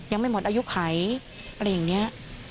ยังไม่หมดอายุไขอะไรอย่างนี้